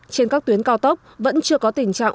trên các tuyến cao tốc vẫn chưa có tình trạng